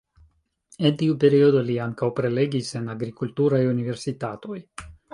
En tiu periodo li ankaŭ prelegis en agrikulturaj universitatoj.